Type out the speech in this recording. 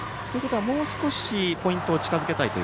もう少しポイントを近づけたいと。